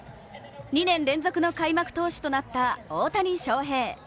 ２年連続の開幕投手となった大谷翔平。